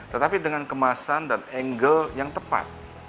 tetapi dengan kemasan dan angle yang tepat